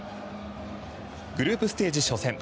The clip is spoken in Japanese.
グループステージ初戦。